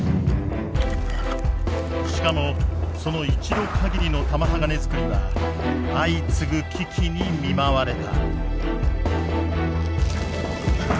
しかもその１度かぎりの玉鋼づくりは相次ぐ危機に見舞われた。